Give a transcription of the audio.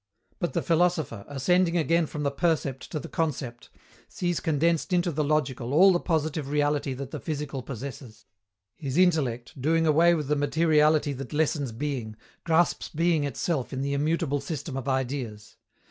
But the philosopher, ascending again from the percept to the concept, sees condensed into the logical all the positive reality that the physical possesses. His intellect, doing away with the materiality that lessens being, grasps being itself in the immutable system of Ideas.